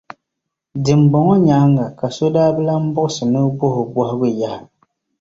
Dimbɔŋɔ nyaaŋa ka so daa bi lan buɣisi ni o bɔh’ o bɔhigu yaha.